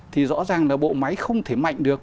thì rõ ràng là bộ máy không thể mạnh được